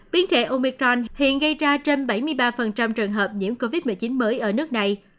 biến thể omicron hiện gây ra trên bảy mươi ba trường hợp nhiễm covid một mươi chín mới ở nước này